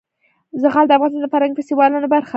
زغال د افغانستان د فرهنګي فستیوالونو برخه ده.